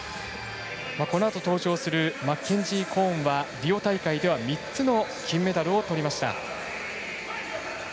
このあと登場するマッケンジー・コーンはリオ大会では３つの金メダルをとりました。